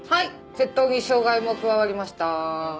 窃盗に傷害も加わりました。